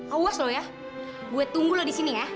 awas lo ya gue tunggu lo disini ya